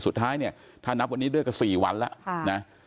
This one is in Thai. สุดท้ายเนี่ยท่านนับวันนี้เรื่องกับสี่วันแล้วค่ะนะ